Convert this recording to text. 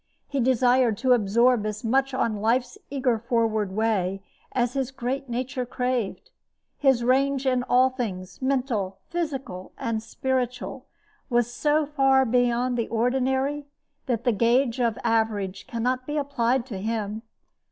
He desired to absorb as much on life's eager forward way as his great nature craved. His range in all things mental, physical, and spiritual was so far beyond the ordinary that the gage of average cannot be applied to him.